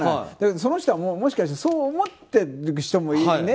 その人は、もしかしてそう思ってる人もいてね。